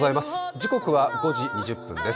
時刻は５時２０分です。